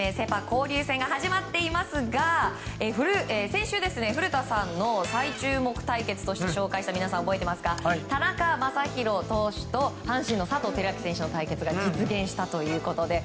交流戦が始まっていますが先週、古田さんの最注目対決として紹介した田中将大投手と阪神の佐藤輝明選手の対決が実現したということで。